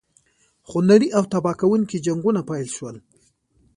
خونړي او تباه کوونکي جنګونه پیل شول.